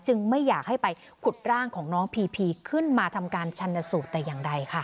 ไม่อยากให้ไปขุดร่างของน้องพีพีขึ้นมาทำการชันสูตรแต่อย่างใดค่ะ